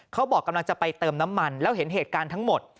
เขาบอกกำลังจะไปเติมน้ำมันแล้วเห็นเหตุการณ์ทั้งหมด